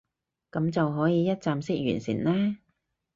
噉就可以一站式完成啦